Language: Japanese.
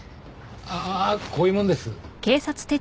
ああっこういうもんです。